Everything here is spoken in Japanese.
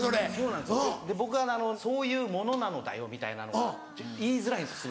で僕は「そういうものなのだよ」みたいなのが言いづらいんですよ